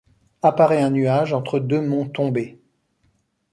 Apparaît un nuage entre deux monts tombé.